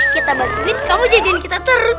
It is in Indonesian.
kita bantuin kamu jajanin kita terus ya